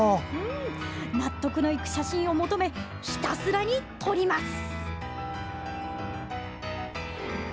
納得のいく写真を求めひたすらに撮ります。